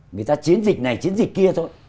người ta chiến dịch này chiến dịch kia thôi